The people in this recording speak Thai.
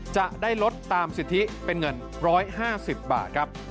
จะได้ลดตามสิทธิเป็นเงิน๑๕๐บาทครับ